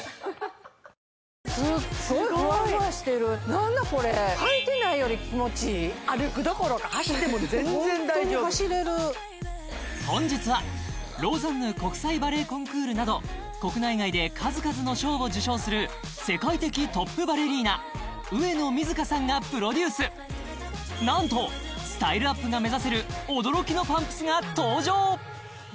何だこれ歩くどころかホントに走れる本日はローザンヌ国際バレエコンクールなど国内外で数々の賞を受賞する世界的トップバレリーナ上野水香さんがプロデュース何とスタイルアップが目指せる驚きのパンプスが登場